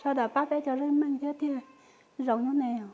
sau đó bác bác cho rơi mạnh cho thiệt rộng như này